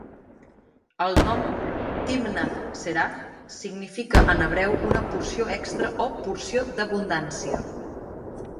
El nom "Timnath-serah" significa en hebreu una "porció extra" o "porció d'abundància".